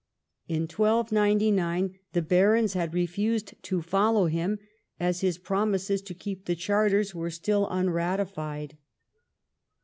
In 1299 214 EDWARD I chap. the barons had refused to follow him, as his promises to keep the Charters were still umratified.